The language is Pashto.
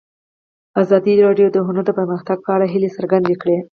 ازادي راډیو د هنر د پرمختګ په اړه هیله څرګنده کړې.